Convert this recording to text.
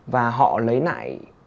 và họ lấy lại